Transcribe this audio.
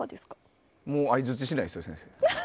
もう相槌しないですよ、先生。